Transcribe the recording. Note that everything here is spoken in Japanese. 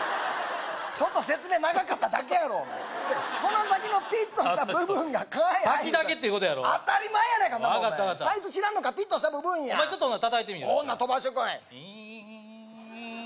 ちょっと説明長かっただけやろこの先のピッとした部分が蚊や先だけっていうことやろ当たり前やないかサイズ知らんのかピッとした部分やお前ちょっと叩いてみほな飛ばしてこいウイーン